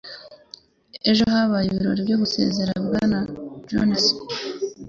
Ejo, habaye ibirori byo gusezera kuri Bwana Jones.